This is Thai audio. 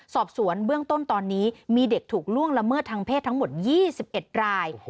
สอบสวนเบื้องต้นตอนนี้มีเด็กถูกล่วงละเมิดทางเพศทั้งหมด๒๑ราย